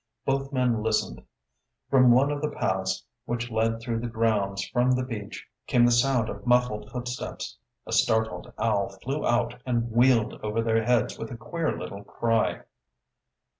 Both men listened. From one of the paths which led through the grounds from the beach, came the sound of muffled footsteps. A startled owl flew out and wheeled over their heads with a queer little cry.